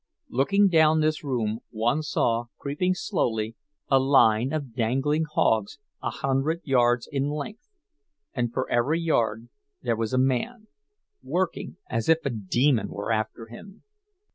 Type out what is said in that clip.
Looking down this room, one saw, creeping slowly, a line of dangling hogs a hundred yards in length; and for every yard there was a man, working as if a demon were after him.